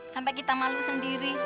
sampai kita malu sendiri